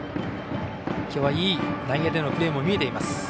きょうは内野でのいいプレーも見えています。